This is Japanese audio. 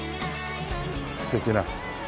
素敵な。